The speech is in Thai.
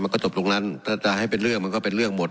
ก็จบตรงนั้นถ้าจะให้เป็นเรื่องมันก็เป็นเรื่องหมด